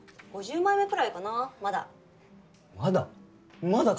５０枚目くらいかなまだまだ？